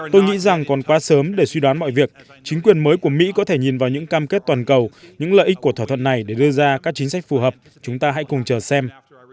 tôi nghĩ rằng còn quá sớm để suy đoán mọi việc chính quyền mới của mỹ có thể nhìn vào những cam kết toàn cầu những lợi ích của thỏa thuận này để đưa ra các chính sách phù hợp chúng ta hãy cùng chờ xem